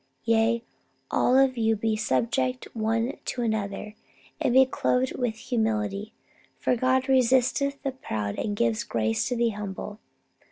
Yea, all of you be subject one to another, and be clothed with humility; for God resisteth the proud and giveth grace to the humble